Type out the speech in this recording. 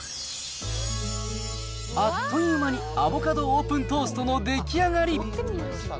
あっという間に、アボカドオープントーストの出来上がり。